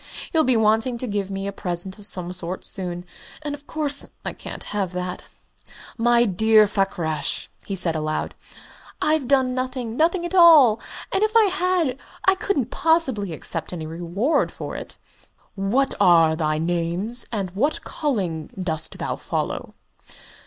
He'll be wanting to give me a present of some sort soon and of course I can't have that.... My dear Mr. Fakrash," he said aloud, "I've done nothing nothing at all and if I had, I couldn't possibly accept any reward for it." "What are thy names, and what calling dost thou follow?"